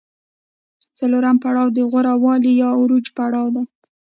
څلورم پړاو د غوره والي یا عروج پړاو دی